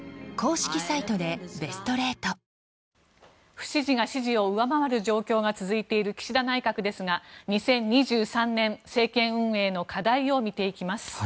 不支持が支持を上回る状況が続いている岸田内閣ですが２０２３年政権運営の課題を見ていきます。